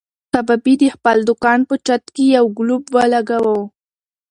کبابي د خپل دوکان په چت کې یو ګلوب ولګاوه.